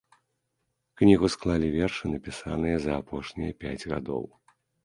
Кнігу склалі вершы, напісаныя за апошнія пяць гадоў.